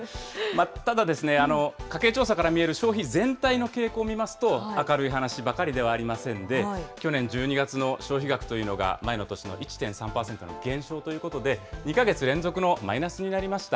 ただですね、家計調査から見える消費全体の傾向を見ますと、明るい話ばかりではありませんで、去年１２月の消費額というのが、前の年の１．３％の減少ということで、２か月連続のマイナスになりました。